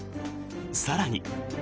更に。